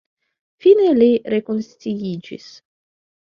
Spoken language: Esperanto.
Fine li rekonsciiĝis.